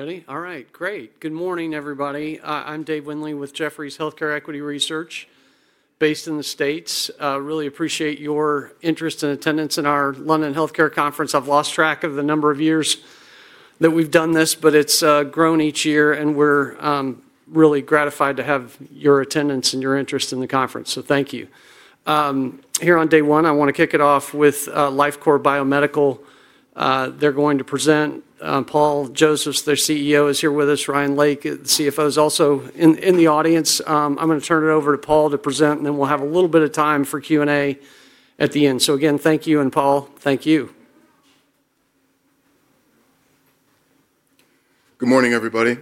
Ready? All right, great. Good morning, everybody. I'm Dave Windley with Jefferies' Healthcare Equity Research, based in the States. Really appreciate your interest and attendance in our London Healthcare Conference. I've lost track of the number of years that we've done this, but it's grown each year, and we're really gratified to have your attendance and your interest in the conference, so thank you. Here on day one, I want to kick it off with Lifecore Biomedical. They're going to present. Paul Josephs, their CEO, is here with us. Ryan Lake, the CFO, is also in the audience. I'm going to turn it over to Paul to present, and then we'll have a little bit of time for Q&A at the end. Again, thank you, and Paul, thank you. Good morning, everybody.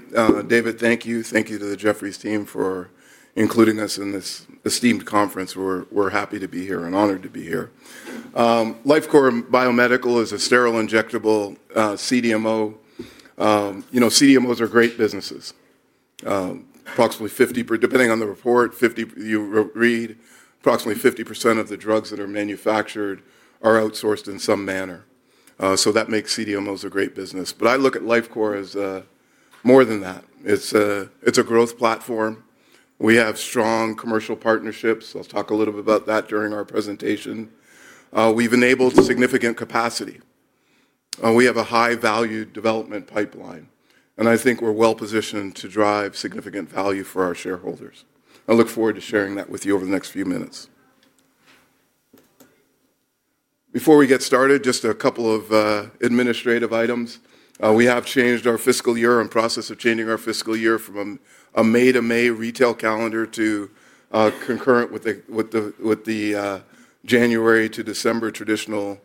David, thank you. Thank you to the Jefferies team for including us in this esteemed conference. We're happy to be here and honored to be here. Lifecore Biomedical is a sterile injectable CDMO. You know, CDMOs are great businesses. Approximately 50%, depending on the report, 50% you read, approximately 50% of the drugs that are manufactured are outsourced in some manner. That makes CDMOs a great business. I look at Lifecore as more than that. It's a growth platform. We have strong commercial partnerships. I'll talk a little bit about that during our presentation. We've enabled significant capacity. We have a high-value development pipeline, and I think we're well positioned to drive significant value for our shareholders. I look forward to sharing that with you over the next few minutes. Before we get started, just a couple of administrative items. We have changed our fiscal year and process of changing our fiscal year from a May-to-May retail calendar to concurrent with the January-to-December traditional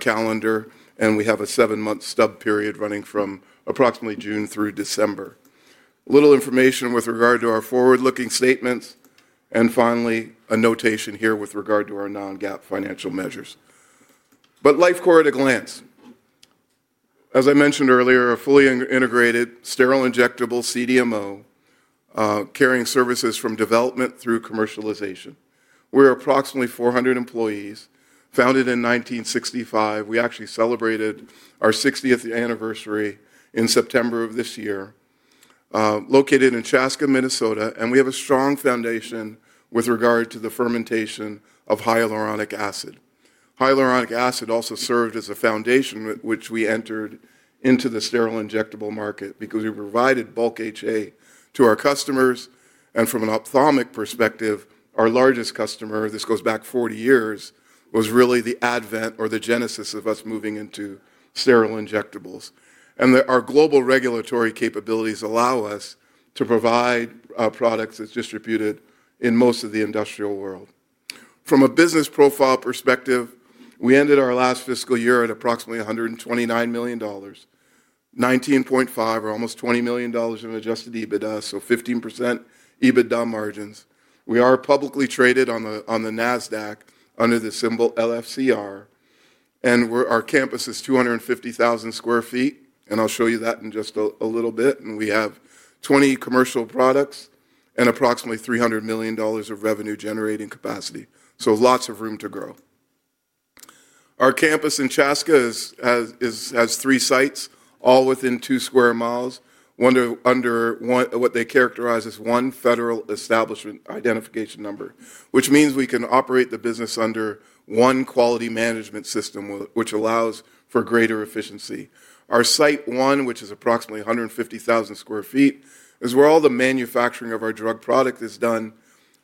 calendar, and we have a seven-month stub period running from approximately June through December. A little information with regard to our forward-looking statements, and finally, a notation here with regard to our non-GAAP financial measures. Lifecore at a glance. As I mentioned earlier, a fully integrated, sterile injectable CDMO carrying services from development through commercialization. We are approximately 400 employees, founded in 1965. We actually celebrated our 60th anniversary in September of this year. Located in Chaska, Minnesota, and we have a strong foundation with regard to the fermentation of hyaluronic acid. Hyaluronic acid also served as a foundation with which we entered into the sterile injectable market because we provided bulk HA to our customers, and from an ophthalmic perspective, our largest customer, this goes back 40 years, was really the advent or the genesis of us moving into sterile injectables. Our global regulatory capabilities allow us to provide products that are distributed in most of the industrial world. From a business profile perspective, we ended our last fiscal year at approximately $129 million, $19.5 million or almost $20 million in adjusted EBITDA, so 15% EBITDA margins. We are publicly traded on the NASDAQ under the symbol LFCR, and our campus is 250,000 sq ft, and I'll show you that in just a little bit. We have 20 commercial products and approximately $300 million of revenue-generating capacity, so lots of room to grow. Our campus in Chaska has three sites, all within two sq mi, under what they characterize as one federal establishment identification number, which means we can operate the business under one quality management system, which allows for greater efficiency. Our Site 1, which is approximately 150,000 sq ft, is where all the manufacturing of our drug product is done,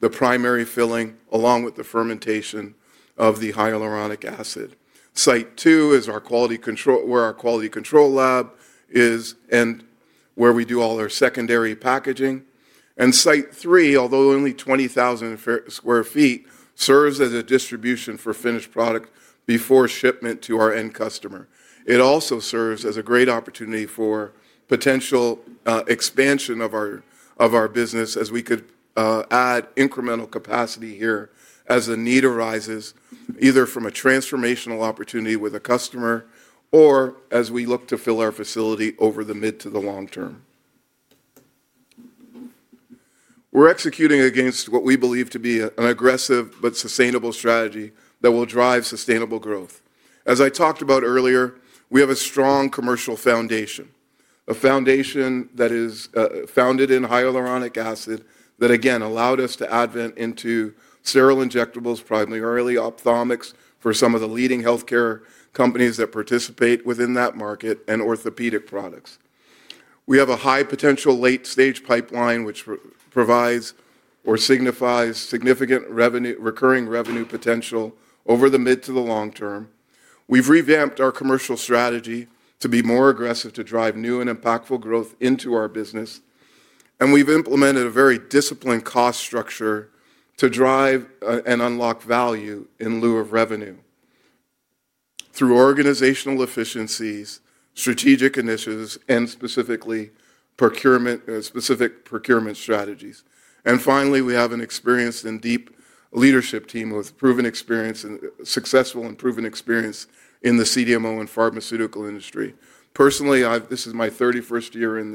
the primary filling, along with the fermentation of the hyaluronic acid. Site 2 is our quality control where our quality control lab is and where we do all our secondary packaging. Site Three, although only 20,000 sq ft, serves as a distribution for finished product before shipment to our end customer. It also serves as a great opportunity for potential expansion of our business as we could add incremental capacity here as the need arises, either from a transformational opportunity with a customer or as we look to fill our facility over the mid to the long term. We're executing against what we believe to be an aggressive but sustainable strategy that will drive sustainable growth. As I talked about earlier, we have a strong commercial foundation, a foundation that is founded in hyaluronic acid that, again, allowed us to advent into sterile injectables, primarily ophthalmics for some of the leading healthcare companies that participate within that market, and orthopedic products. We have a high potential late-stage pipeline, which provides or signifies significant recurring revenue potential over the mid to the long term. We've revamped our commercial strategy to be more aggressive to drive new and impactful growth into our business, and we've implemented a very disciplined cost structure to drive and unlock value in lieu of revenue through organizational efficiencies, strategic initiatives, and specifically procurement, specific procurement strategies. Finally, we have an experienced and deep leadership team with proven experience and successful and proven experience in the CDMO and pharmaceutical industry. Personally, this is my 31st year in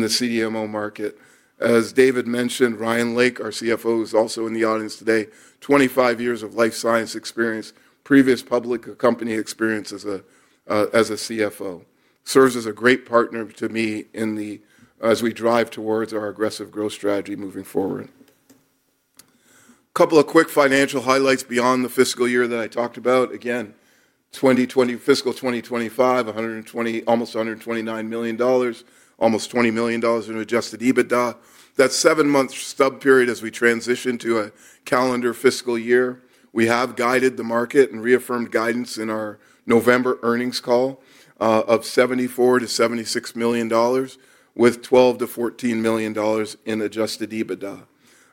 the CDMO market. As David mentioned, Ryan Lake, our CFO, is also in the audience today. 25 years of life science experience, previous public company experience as a CFO, serves as a great partner to me as we drive towards our aggressive growth strategy moving forward. A couple of quick financial highlights beyond the fiscal year that I talked about. Again, fiscal 2025, almost $129 million, almost $20 million in adjusted EBITDA. That's a seven-month stub period as we transition to a calendar fiscal year. We have guided the market and reaffirmed guidance in our November earnings call of $74 million-$76 million with $12 million-$14 million in adjusted EBITDA.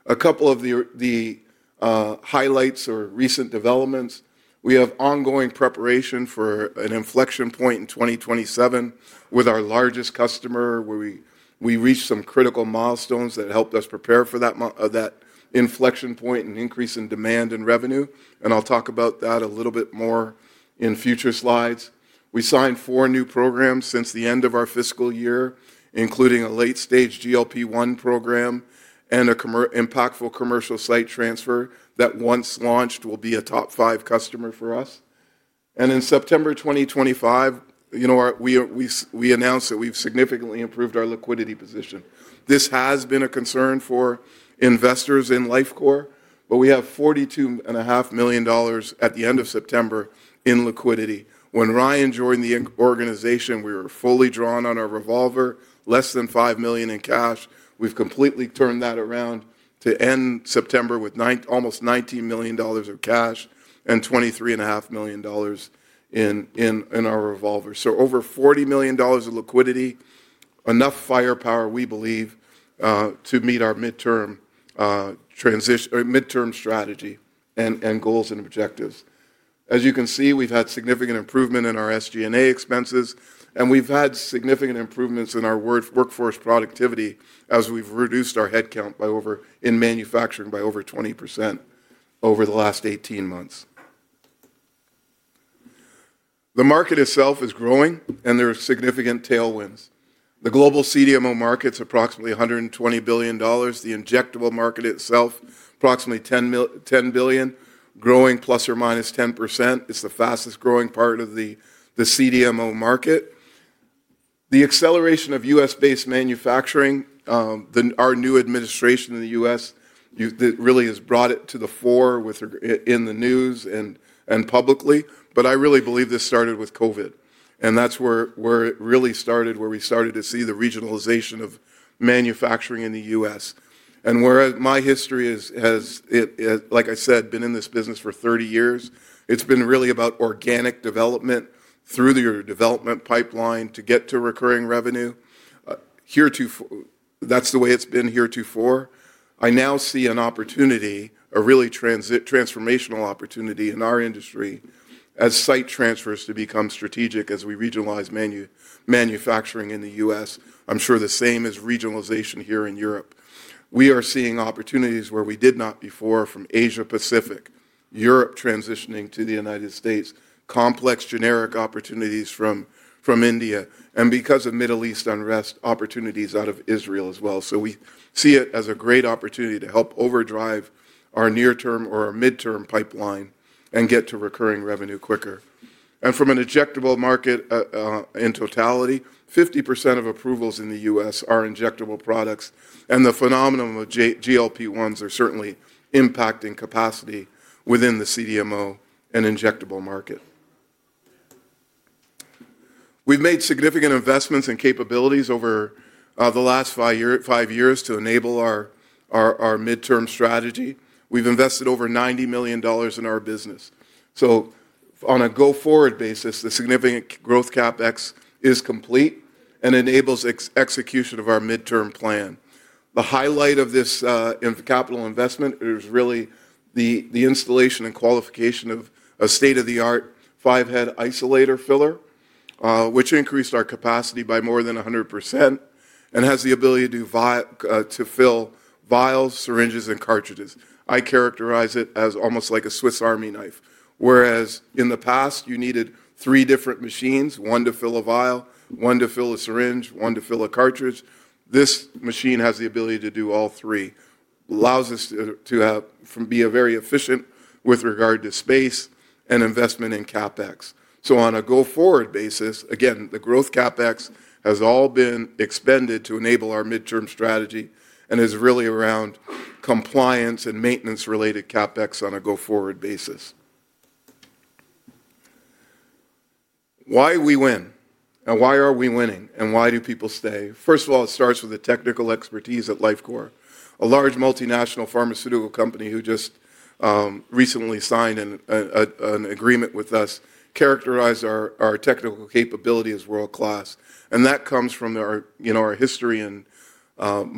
A couple of the highlights or recent developments. We have ongoing preparation for an inflection point in 2027 with our largest customer, where we reached some critical milestones that helped us prepare for that inflection point and increase in demand and revenue. I'll talk about that a little bit more in future slides. We signed four new programs since the end of our fiscal year, including a late-stage GLP-1 program and an impactful commercial site transfer that, once launched, will be a top five customer for us. In September 2025, you know, we announced that we've significantly improved our liquidity position. This has been a concern for investors in Lifecore, but we have $42.5 million at the end of September in liquidity. When Ryan joined the organization, we were fully drawn on our revolver, less than $5 million in cash. We've completely turned that around to end September with almost $19 million of cash and $23.5 million in our revolver. Over $40 million of liquidity, enough firepower, we believe, to meet our midterm transition or midterm strategy and goals and objectives. As you can see, we've had significant improvement in our SG&A expenses, and we've had significant improvements in our workforce productivity as we've reduced our headcount in manufacturing by over 20% over the last 18 months. The market itself is growing, and there are significant tailwinds. The global CDMO market's approximately $120 billion. The injectable market itself, approximately $10 billion, growing plus or minus 10%. It's the fastest growing part of the CDMO market. The acceleration of U.S.-based manufacturing, our new administration in the U.S., it really has brought it to the fore in the news and publicly. I really believe this started with COVID, and that's where it really started, where we started to see the regionalization of manufacturing in the U.S. Whereas my history has, like I said, been in this business for 30 years, it's been really about organic development through your development pipeline to get to recurring revenue. That's the way it's been here too far. I now see an opportunity, a really transformational opportunity in our industry as site transfers to become strategic as we regionalize manufacturing in the U.S. I'm sure the same is regionalization here in Europe. We are seeing opportunities where we did not before from Asia-Pacific, Europe transitioning to the United States, complex generic opportunities from India, and because of Middle East unrest, opportunities out of Israel as well. We see it as a great opportunity to help overdrive our near-term or our midterm pipeline and get to recurring revenue quicker. From an injectable market in totality, 50% of approvals in the U.S. are injectable products, and the phenomenon of GLP-1s are certainly impacting capacity within the CDMO and injectable market. We have made significant investments and capabilities over the last five years to enable our midterm strategy. We have invested over $90 million in our business. On a go-forward basis, the significant growth CapEx is complete and enables execution of our midterm plan. The highlight of this capital investment is really the installation and qualification of a state-of-the-art 5-head isolator filler, which increased our capacity by more than 100% and has the ability to fill vials, syringes, and cartridges. I characterize it as almost like a Swiss Army knife. Whereas in the past, you needed three different machines, one to fill a vial, one to fill a syringe, one to fill a cartridge, this machine has the ability to do all three. It allows us to be very efficient with regard to space and investment in CapEx. On a go-forward basis, again, the growth CapEx has all been expended to enable our midterm strategy and is really around compliance and maintenance-related CapEx on a go-forward basis. Why we win and why are we winning and why do people stay? First of all, it starts with the technical expertise at Lifecore. A large multinational pharmaceutical company who just recently signed an agreement with us characterized our technical capability as world-class. That comes from our history in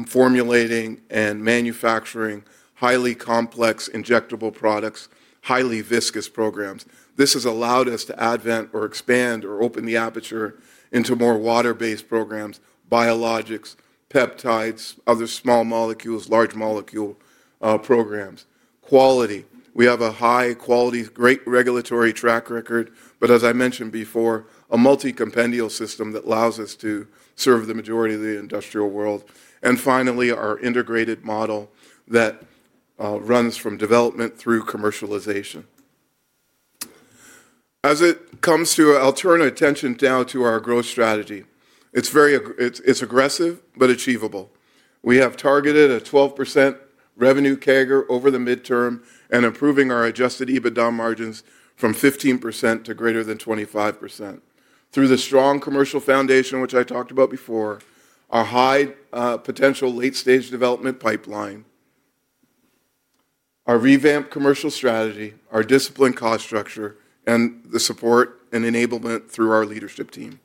formulating and manufacturing highly complex injectable products, highly viscous programs. This has allowed us to advent or expand or open the aperture into more water-based programs, biologics, peptides, other small molecules, large molecule programs. Quality. We have a high quality, great regulatory track record, but as I mentioned before, a multi-compendial system that allows us to serve the majority of the industrial world. Finally, our integrated model that runs from development through commercialization. As it comes to turn attention now to our growth strategy, it's aggressive but achievable. We have targeted a 12% revenue CAGR over the midterm and improving our adjusted EBITDA margins from 15% to greater than 25%. Through the strong commercial foundation, which I talked about before, our high potential late-stage development pipeline, our revamped commercial strategy, our disciplined cost structure, and the support and enablement through our leadership team.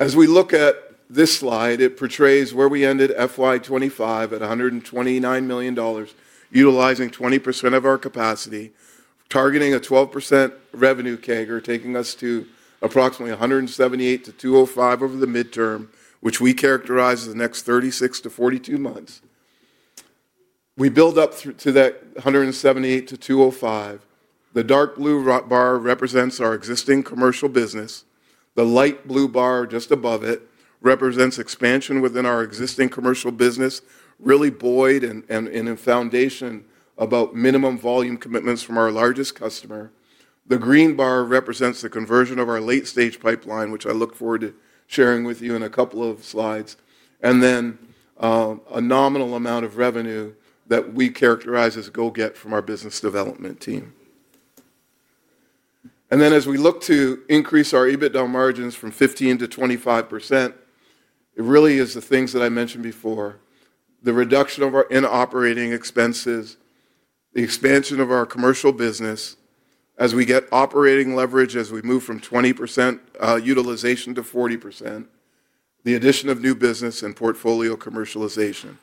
As we look at this slide, it portrays where we ended FY 2025 at $129 million, utilizing 20% of our capacity, targeting a 12% revenue CAGR, taking us to approximately $178 million-$205 million over the midterm, which we characterize as the next 36 months-42 months. We build up to that $178 million-$205 million. The dark blue bar represents our existing commercial business. The light blue bar just above it represents expansion within our existing commercial business, really buoyed and in foundation about minimum volume commitments from our largest customer. The green bar represents the conversion of our late-stage pipeline, which I look forward to sharing with you in a couple of slides, and then a nominal amount of revenue that we characterize as go-get from our business development team. As we look to increase our EBITDA margins from 15%-25%, it really is the things that I mentioned before, the reduction of our in-operating expenses, the expansion of our commercial business as we get operating leverage as we move from 20% utilization to 40%, the addition of new business and portfolio commercialization.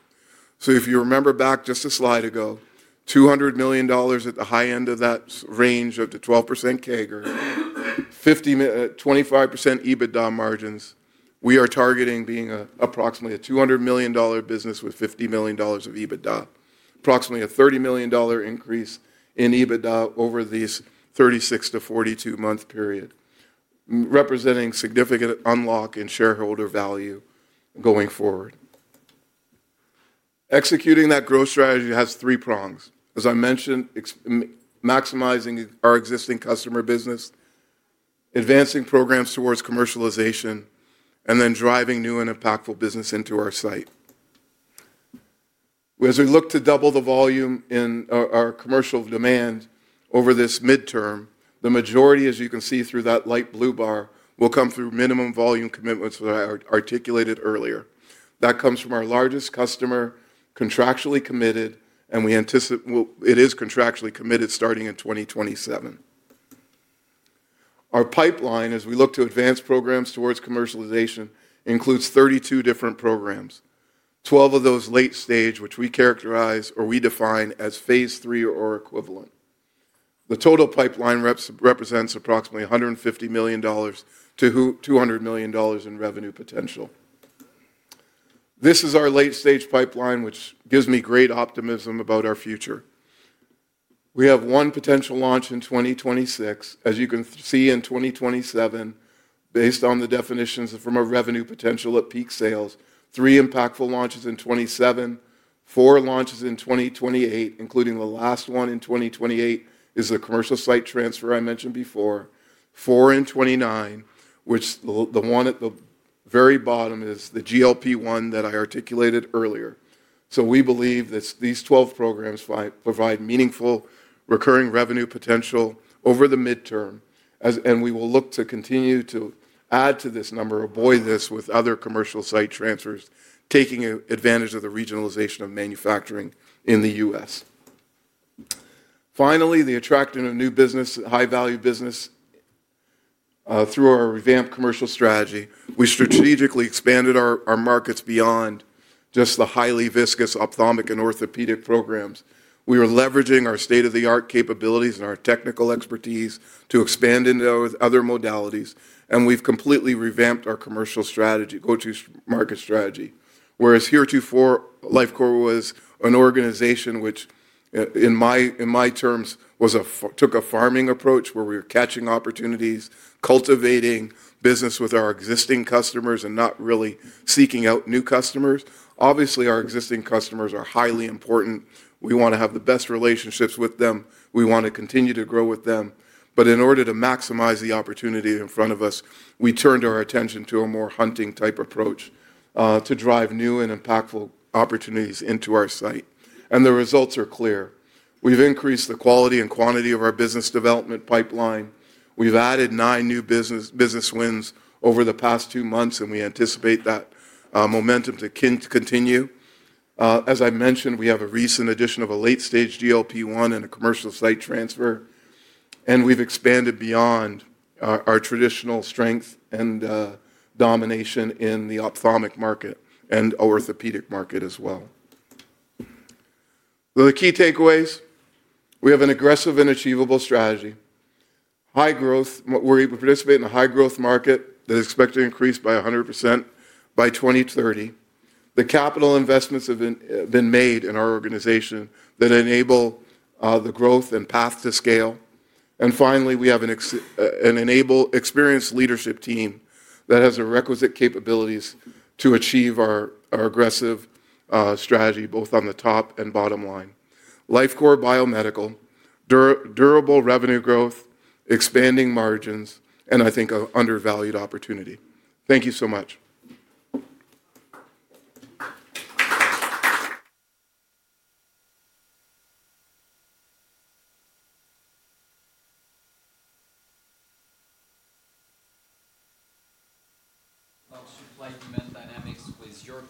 If you remember back just a slide ago, $200 million at the high end of that range of the 12% CAGR, 25% EBITDA margins, we are targeting being approximately a $200 million business with $50 million of EBITDA, approximately a $30 million increase in EBITDA over this 36 month-42 month period, representing significant unlock in shareholder value going forward. Executing that growth strategy has three prongs. As I mentioned, maximizing our existing customer business, advancing programs towards commercialization, and then driving new and impactful business into our site. As we look to double the volume in our commercial demand over this midterm, the majority, as you can see through that light blue bar, will come through minimum volume commitments that I articulated earlier. That comes from our largest customer, contractually committed, and we anticipate it is contractually committed starting in 2027. Our pipeline, as we look to advance programs towards commercialization, includes 32 different programs, 12 of those late-stage, which we characterize or we define as phase three or equivalent. The total pipeline represents approximately $150 million-$200 million in revenue potential. This is our late-stage pipeline, which gives me great optimism about our future. We have one potential launch in 2026. As you can see in 2027, based on the definitions from our revenue potential at peak sales, three impactful launches in 2027, four launches in 2028, including the last one in 2028 is the commercial site transfer I mentioned before, four in 2029, which the one at the very bottom is the GLP-1 that I articulated earlier. We believe that these 12 programs provide meaningful recurring revenue potential over the midterm, and we will look to continue to add to this number, augment this with other commercial site transfers, taking advantage of the regionalization of manufacturing in the U.S. Finally, the attraction of new business, high-value business through our revamped commercial strategy. We strategically expanded our markets beyond just the highly viscous ophthalmic and orthopedic programs. We are leveraging our state-of-the-art capabilities and our technical expertise to expand into other modalities, and we've completely revamped our commercial strategy, go-to-market strategy. Whereas heretofore, Lifecore was an organization which, in my terms, took a farming approach where we were catching opportunities, cultivating business with our existing customers and not really seeking out new customers. Obviously, our existing customers are highly important. We want to have the best relationships with them. We want to continue to grow with them. In order to maximize the opportunity in front of us, we turned our attention to a more hunting-type approach to drive new and impactful opportunities into our site. The results are clear. We've increased the quality and quantity of our business development pipeline. We've added nine new business wins over the past two months, and we anticipate that momentum to continue. As I mentioned, we have a recent addition of a late-stage GLP-1 and a commercial site transfer, and we've expanded beyond our traditional strength and domination in the ophthalmic market and orthopedic market as well. The key takeaways, we have an aggressive and achievable strategy, high growth. We're able to participate in a high-growth market that is expected to increase by 100% by 2030. The capital investments have been made in our organization that enable the growth and path to scale. Finally, we have an experienced leadership team that has the requisite capabilities to achieve our aggressive strategy both on the top and bottom line. Lifecore Biomedical, durable revenue growth, expanding margins, and I think an undervalued opportunity. Thank you so much.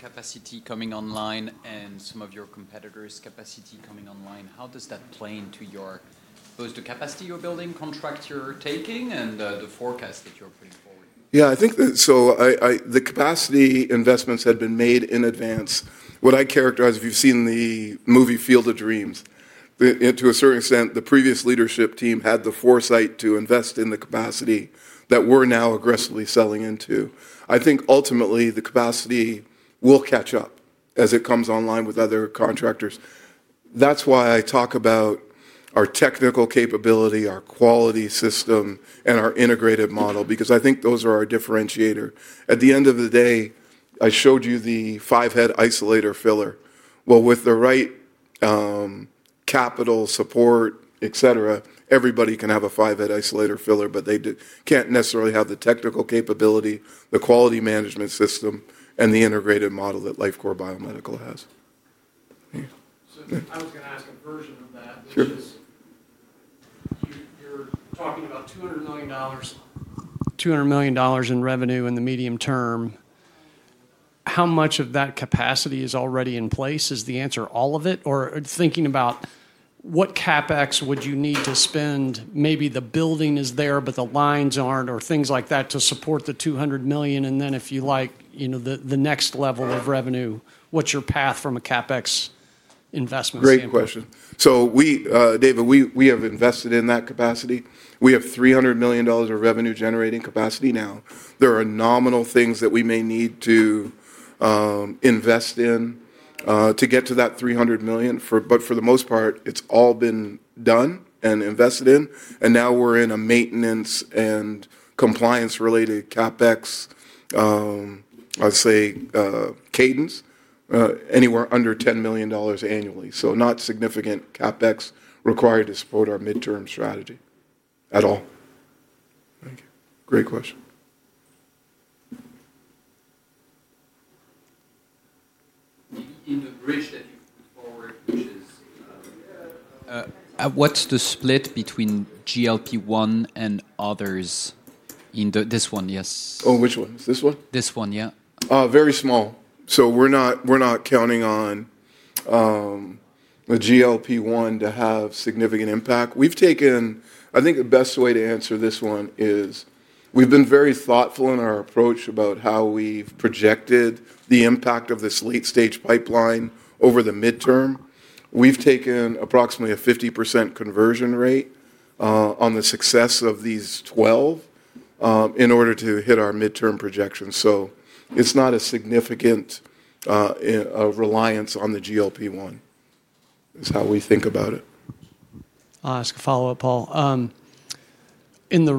How does your capacity coming online and some of your competitors' capacity coming online? How does that play into both the capacity you're building, contracts you're taking, and the forecast that you're putting forward? Yeah, I think that the capacity investments have been made in advance. What I characterize, if you've seen the movie Field of Dreams, to a certain extent, the previous leadership team had the foresight to invest in the capacity that we're now aggressively selling into. I think ultimately the capacity will catch up as it comes online with other contractors. That's why I talk about our technical capability, our quality system, and our integrated model because I think those are our differentiator. At the end of the day, I showed you the 5-head isolator filler. With the right capital support, etc., everybody can have a 5-head isolator filler, but they can't necessarily have the technical capability, the quality management system, and the integrated model that Lifecore Biomedical has. I was going to ask a version of that. You're talking about $200 million. $200 million in revenue in the medium term. How much of that capacity is already in place? Is the answer all of it? Or thinking about what CapEx would you need to spend? Maybe the building is there, but the lines aren't, or things like that to support the $200 million. If you like, the next level of revenue, what's your path from a CapEx investment standpoint? Great question. David, we have invested in that capacity. We have $300 million of revenue-generating capacity now. There are nominal things that we may need to invest in to get to that $300 million, but for the most part, it's all been done and invested in. Now we're in a maintenance and compliance-related CapEx, I'd say cadence, anywhere under $10 million annually. Not significant CapEx required to support our midterm strategy at all. Thank you. Great question. In the bridge that you put forward, which is. What's the split between GLP-1 and others in this one? Yes. Oh, which one? This one? This one, yeah. Very small. We're not counting on the GLP-1 to have significant impact. I think the best way to answer this one is we've been very thoughtful in our approach about how we've projected the impact of this late-stage pipeline over the midterm. We've taken approximately a 50% conversion rate on the success of these 12 in order to hit our midterm projection. It's not a significant reliance on the GLP-1 is how we think about it. I'll ask a follow-up, Paul. In the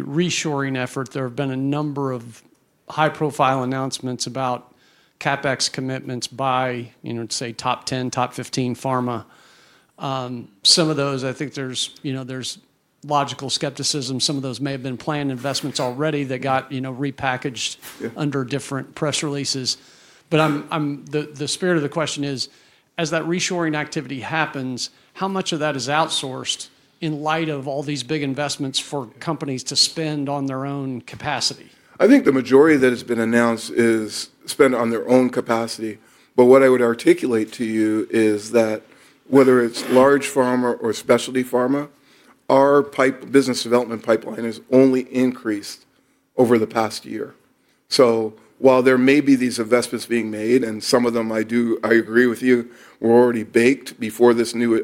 reshoring effort, there have been a number of high-profile announcements about CapEx commitments by, say, Top 10, Top 15 pharma. Some of those, I think there's logical skepticism. Some of those may have been planned investments already that got repackaged under different press releases. The spirit of the question is, as that reshoring activity happens, how much of that is outsourced in light of all these big investments for companies to spend on their own capacity? I think the majority that has been announced is spent on their own capacity. What I would articulate to you is that whether it's large pharma or specialty pharma, our business development pipeline has only increased over the past year. While there may be these investments being made, and some of them, I agree with you, were already baked before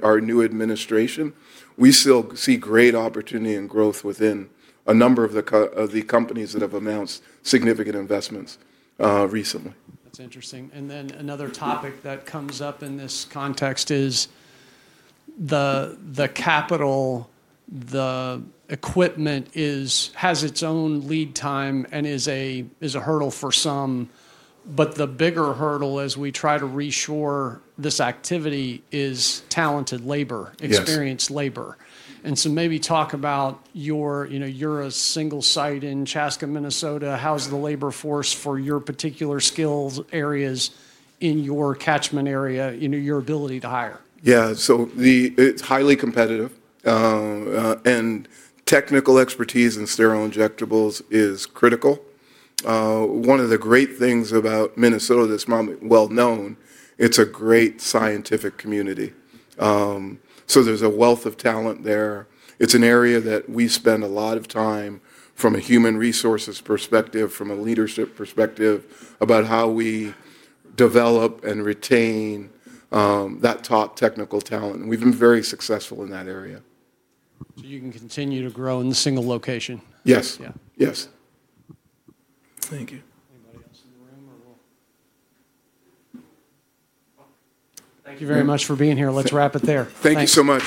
our new administration, we still see great opportunity and growth within a number of the companies that have announced significant investments recently. That's interesting. Another topic that comes up in this context is the capital, the equipment has its own lead time and is a hurdle for some. The bigger hurdle as we try to reshore this activity is talented labor, experienced labor. Maybe talk about your single site in Chaska, Minnesota. How's the labor force for your particular skills areas in your catchment area, your ability to hire? Yeah, so it's highly competitive, and technical expertise in sterile injectables is critical. One of the great things about Minnesota that's well-known, it's a great scientific community. So there's a wealth of talent there. It's an area that we spend a lot of time from a human resources perspective, from a leadership perspective about how we develop and retain that top technical talent. And we've been very successful in that area. You can continue to grow in the single location. Yes. Yeah. Yes. Thank you. Anybody else in the room? Thank you very much for being here. Let's wrap it there. Thank you so much.